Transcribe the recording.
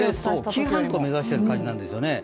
紀伊半島を目指している感じなんですよね。